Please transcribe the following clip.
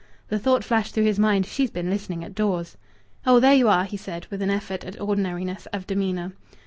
The thought flashed through his mind. "She's been listening at doors." "Oh! There you are," he said, with an effort at ordinariness of demeanour.